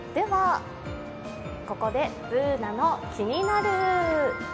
ここで「ＢｏｏｎａのキニナルＬＩＦＥ」。